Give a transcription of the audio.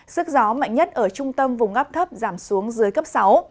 sức gió mạnh nhất ở trung tâm vùng áp thấp giảm xuống dưới cấp sáu